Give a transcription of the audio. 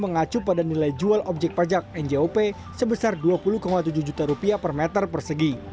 mengacu pada nilai jual objek pajak njop sebesar rp dua puluh tujuh juta rupiah per meter persegi